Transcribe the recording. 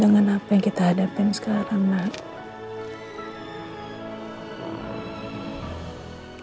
dengan apa yang kita hadapin sekarang mbak